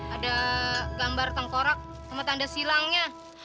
ada gambar tengkorak sama tanda silangnya